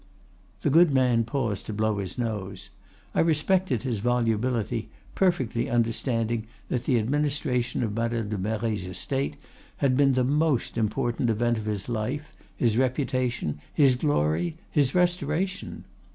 "The good man paused to blow his nose. I respected his volubility, perfectly understanding that the administration of Madame de Merret's estate had been the most important event of his life, his reputation, his glory, his Restoration.